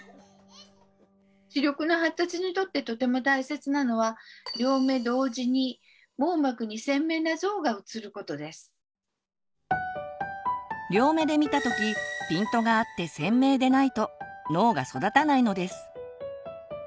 視力の発達にとってとても大切なのは両目で見た時ピントが合って鮮明でないと脳が育たないのです。